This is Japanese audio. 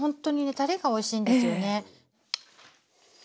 たれがおいしいんですよね。